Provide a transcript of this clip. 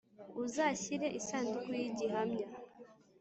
Uzashyire isanduku y igihamya